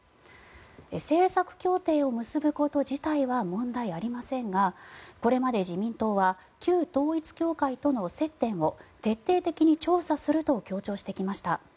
政策協定を結ぶこと自体は問題ありませんがこれまで自民党は旧統一教会との接点を徹底的に調査すると強調してきました。